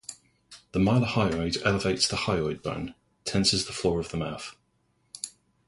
The mylohyoid elevates the hyoid bone, tenses the floor of the mouth.